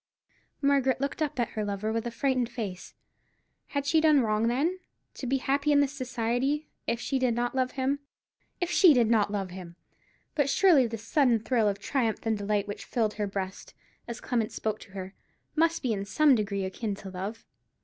Margaret looked up at her lover with a frightened face. Had she done wrong, then, to be happy in his society, if she did not love him—if she did not love him! But surely this sudden thrill of triumph and delight which filled her breast, as Clement spoke to her, must be in some degree akin to love.